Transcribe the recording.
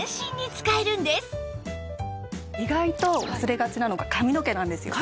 意外と忘れがちなのが髪の毛なんですよ。